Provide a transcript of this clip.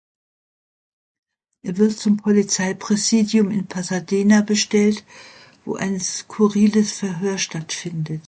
Er wird zum Polizeipräsidium in Pasadena bestellt, wo ein skurriles Verhör stattfindet.